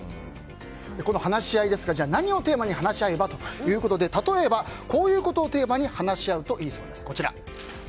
この話し合いですが何をテーマに話し合えばということですが例えば、こういうことをテーマに話し合うといいそうです。